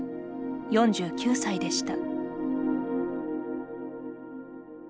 ４９歳でした。